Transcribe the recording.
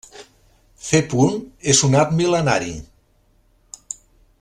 Fer punt és un art mil·lenari.